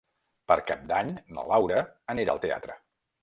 Per Cap d'Any na Laura anirà al teatre.